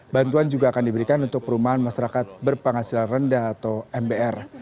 bantuan juga akan diberikan untuk perumahan masyarakat berpenghasilan rendah atau mbr